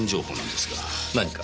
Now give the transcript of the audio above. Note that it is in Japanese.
何か？